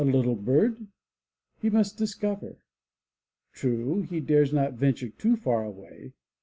94 THE LATCH KEY bird? He must discover. True, he dares not venture too far away.